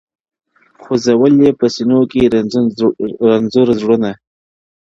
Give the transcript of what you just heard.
خو ځول یې په سینو کي رنځور زړونه -